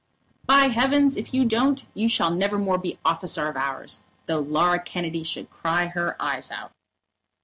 "By heavens, if you don't, you shall never more be officer of ours, though Laura Kennedy should cry her eyes out."